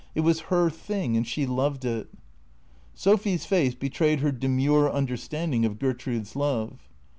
It was her thing and she loved it." Sophy's face betrayed her demure understanding of Gertrude's love.